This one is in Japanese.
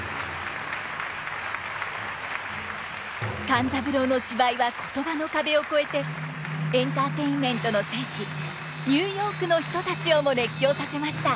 勘三郎の芝居は言葉の壁を越えてエンターテインメントの聖地ニューヨークの人たちをも熱狂させました。